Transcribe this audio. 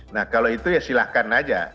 nah kalau itu ya silahkan aja